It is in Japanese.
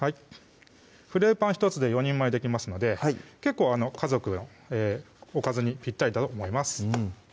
フライパン１つで４人前できますので結構家族のおかずにぴったりだと思います